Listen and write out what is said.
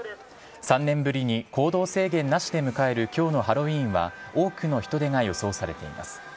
３年ぶりに行動制限なしで迎えるきょうのハロウィーンでは多くの人出が予想されています。